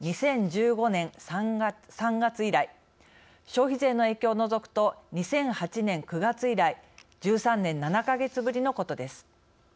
消費税の影響を除くと２００８年９月以来１３年７か月ぶりのことです。